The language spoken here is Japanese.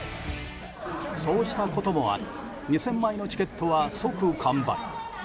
そうしたこともあり２０００枚のチケットは即完売。